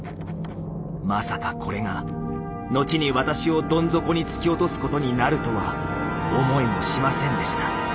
まさかこれが後に私をどん底に突き落とすことになるとは思いもしませんでした。